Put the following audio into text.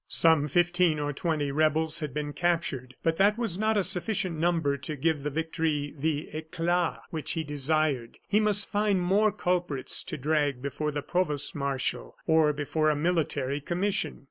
Some fifteen or twenty rebels had been captured; but that was not a sufficient number to give the victory the eclat which he desired. He must find more culprits to drag before the provost marshal or before a military commission.